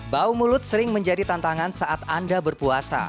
bau mulut sering menjadi tantangan saat anda berpuasa